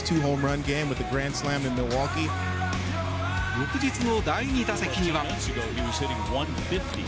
翌日の第２打席には。